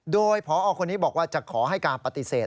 โดยพอคนนี้บอกว่าจะขอให้การปฏิเสธ